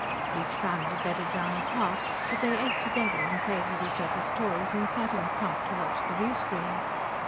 Each family bedded down apart, but they ate together and played with each others' toys and sat in a clump to watch the viewscreen.